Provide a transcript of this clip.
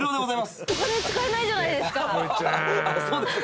そうですね。